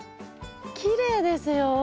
きれいですよ。